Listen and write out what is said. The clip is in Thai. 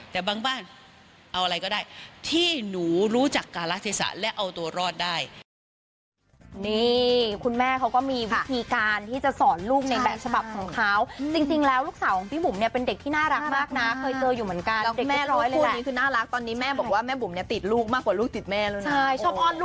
แต่บางบ้านเอาอะไรก็ได้ที่หนูรู้จักการรักษาและเอาตัวรอดได้